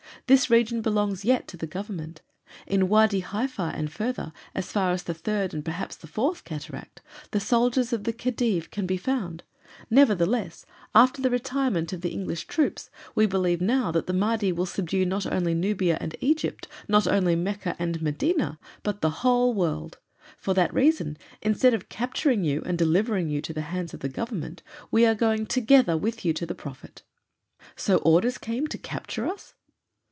This region belongs yet to the Government. In Wâdi Haifa and farther, as far as the Third and perhaps the Fourth Cataract, the soldiers of the Khedive can be found; nevertheless, after the retirement of the English troops, we believe now that the Mahdi will subdue not only Nubia and Egypt, not only Mecca and Medina, but the whole world. For that reason instead of capturing you and delivering you to the hands of the Government we are going together with you to the prophet." "So orders came to capture us?"